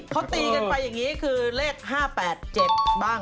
เขาตีกันไปอย่างนี้คือเลข๕๘๗บ้าง